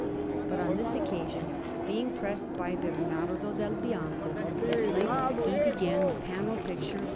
But on this occasion, being pressed by Bernardo del Bianco, at length he began the panel picture of S.